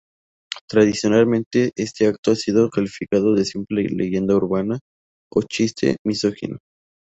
Tradicionalmente este acto ha sido calificado de simple leyenda urbana o chiste misógino.